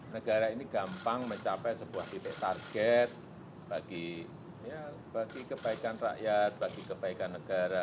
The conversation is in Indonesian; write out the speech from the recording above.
negara ini gampang mencapai sebuah titik target bagi kebaikan rakyat bagi kebaikan negara